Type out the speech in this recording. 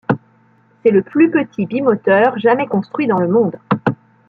C'est le plus petit bimoteur jamais construit dans le monde.